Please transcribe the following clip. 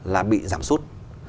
là bị giảm sút